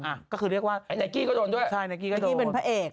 นไนกี้ก็โดนด้วยนไนกี้เป็นพะเอก